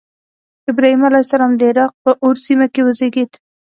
ابراهیم علیه السلام د عراق په أور سیمه کې وزیږېد.